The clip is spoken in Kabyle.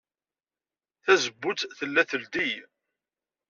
Tazewwut tella teldey.